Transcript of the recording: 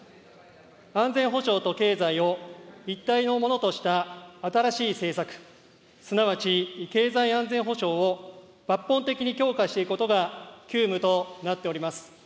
安全保障と経済を一体のものとした新しい政策、すなわち経済安全保障を抜本的に強化していくことが急務となっております。